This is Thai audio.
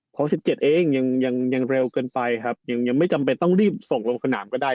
ของ๑๗เองยังเร็วเกินไปครับยังไม่จำเป็นต้องรีบส่งลงสนามก็ได้